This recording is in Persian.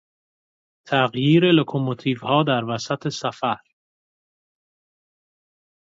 تغییر لوکوموتیوها در وسط سفر